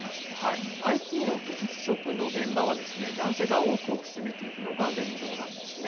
ＩＴの技術職の現場は男性が多くを占めているのが現状なんですね。